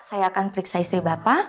saya akan periksa istri bapak